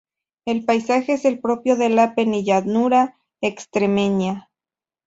El paisaje es el propio de la penillanura extremeña.